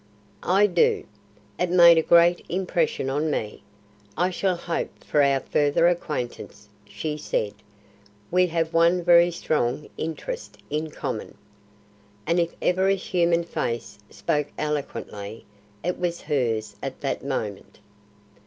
"I do; it made a great impression on me. 'I shall hope for our further acquaintance,' she said. 'We have one very strong interest in common.' And if ever a human face spoke eloquently, it was hers at that moment.